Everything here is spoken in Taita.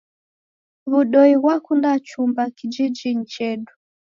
W'udoi ghwakunda chumba kijijinyi chedu.